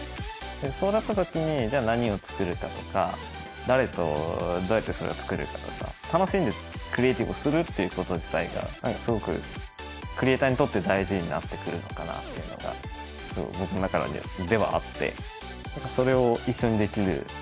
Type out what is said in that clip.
そうなった時にじゃあ何を作るかとか誰とどうやってそれを作るかとか楽しんでクリエイティブするっていうこと自体が何かすごくクリエイターにとって大事になってくるのかなっていうのが僕の中ではあって。